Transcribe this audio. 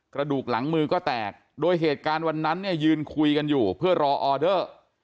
กระดูกหลังมือก็แตกโดยเหตุการณ์วันนั้นเนี่ยยืนคุยกันอยู่เพื่อรอออเดอร์